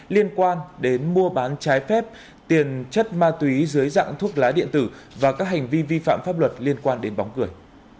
liên quan đến mua bán trái phép tiền chất ma túy dưới dạng thuốc lá điện tử và các hành vi vi phạm pháp luật liên quan đến bóng cười